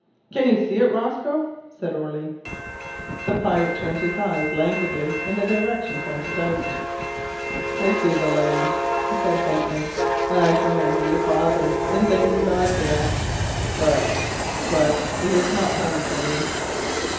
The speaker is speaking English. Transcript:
"Can you see it, Rosco?" said Orley. The pirate turned his eyes languidly in the direction pointed out. "I see the land," he said faintly, "and I join your father in thanking God for that but but it is not home to me."